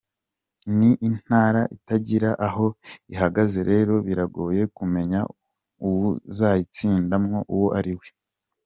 Ni intara itagira aho ihagaze rero biragoye kumenya uwuzoyitsindamwo uwo ari we.